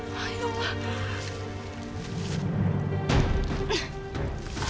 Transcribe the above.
mbah ya allah